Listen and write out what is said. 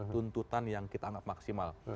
tuntutan yang kita anggap maksimal